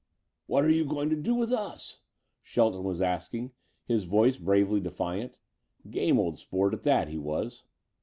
"What are you going to do with us?" Shelton was asking, his voice bravely defiant. Game old sport at that, he was.